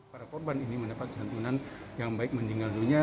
para korban ini mendapat santunan yang baik meninggal dunia